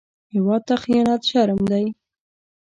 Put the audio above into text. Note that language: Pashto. هېواد ته خيانت شرم دی